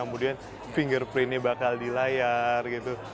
kemudian fingerprint nya bakal di layar